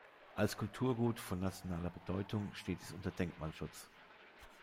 Als Kulturgut von nationaler Bedeutung steht es unter Denkmalschutz.